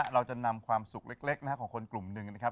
เราจะนำความสุขเล็กของคนกลุ่มหนึ่งนะครับ